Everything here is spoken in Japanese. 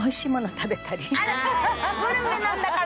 あらグルメなんだから！